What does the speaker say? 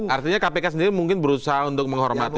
artinya kpk sendiri mungkin berusaha untuk menghormati